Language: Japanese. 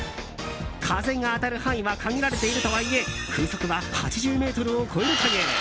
風が当たる範囲は限られているとはいえ風速は８０メートルを超えるという。